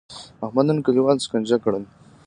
احمد نن کلیوال سکنجه کړل.